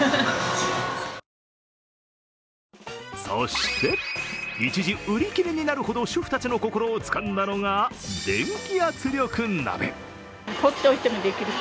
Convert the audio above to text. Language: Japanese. そして、一時売り切れになるほど主婦たちの心をつかんだのが電気圧力鍋。